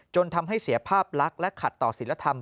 จนทำให้เสียภาพลักษณ์และขัดต่อศิลธรรม